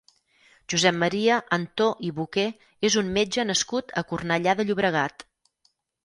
Josep Maria Antó i Boqué és un metge nascut a Cornellà de Llobregat.